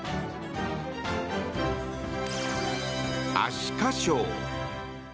アシカショー！